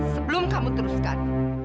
sebelum kamu teruskan